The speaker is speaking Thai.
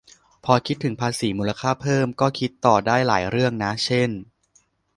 พอคิดถึงภาษีมูลค่าเพิ่ม ก็คิดต่อได้หลายเรื่องนะ เช่น